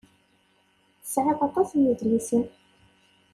Tesɛiḍ aṭas n yedlisen.